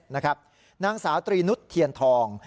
นางสาว๓๐เน้นทอง